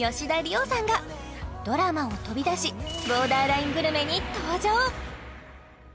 桜さんがドラマを飛び出しボーダーライングルメに登場！